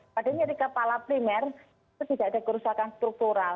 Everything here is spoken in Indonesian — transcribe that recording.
pada nyeri kepala primer itu tidak ada kerusakan struktural